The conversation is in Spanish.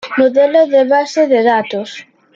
Modelo de base de datos